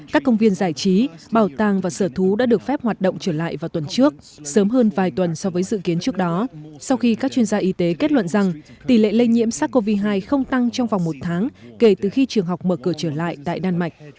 các công viên giải trí bảo tàng và sở thú đã được phép hoạt động trở lại vào tuần trước sớm hơn vài tuần so với dự kiến trước đó sau khi các chuyên gia y tế kết luận rằng tỷ lệ lây nhiễm sars cov hai không tăng trong vòng một tháng kể từ khi trường học mở cửa trở lại tại đan mạch